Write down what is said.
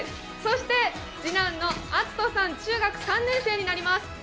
次男の敬さん、中学３年生になります。